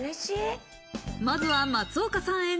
まずは松岡さん